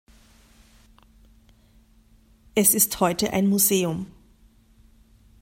Es ist heute ein Museum.